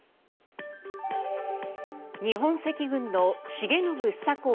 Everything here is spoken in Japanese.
日本赤軍の重信房子